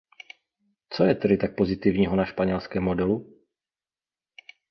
Co je tedy tak pozitivního na španělském modelu?